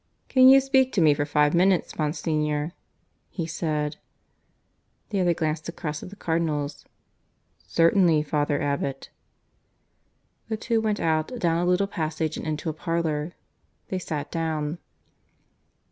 "Can you speak to me for five minutes, Monsignor?" he said. The other glanced across at the Cardinals. "Certainly, father abbot." The two went out, down a little passage, and into a parlour. They sat down.